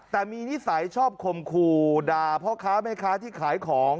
แต่มีนิสัยชอบคมคู่ด่าพ่อค้าแม่ค้าที่ขายของ